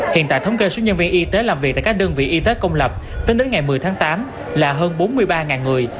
hiện tại thống kê số nhân viên y tế làm việc tại các đơn vị y tế công lập tính đến ngày một mươi tháng tám là hơn bốn mươi ba người